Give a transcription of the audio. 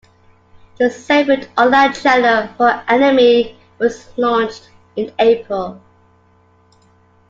A separate online channel for anime was launched in April.